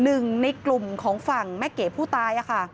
หนึ่งในกลุ่มของฝั่งแม่เก๋ผู้ตายค่ะ